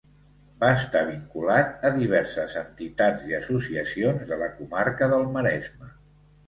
Va estar vinculat a diverses entitats i associacions de la comarca del Maresme.